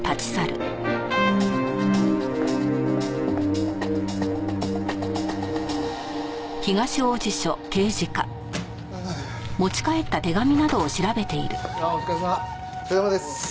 お疲れさまです。